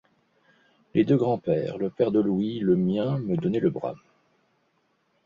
Les deux grands-pères, le père de Louis, le mien me donnaient le bras.